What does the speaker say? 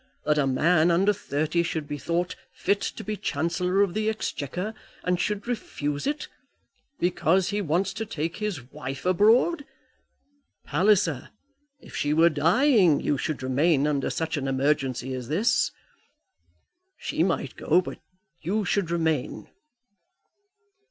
That a man under thirty should be thought fit to be Chancellor of the Exchequer, and should refuse it, because he wants to take his wife abroad! Palliser, if she were dying, you should remain under such an emergency as this. She might go, but you should remain."